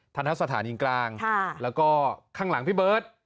ณสถานีกลางแล้วก็ข้างหลังพี่เบิร์ต